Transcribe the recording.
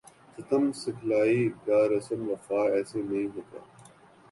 ستم سکھلائے گا رسم وفا ایسے نہیں ہوتا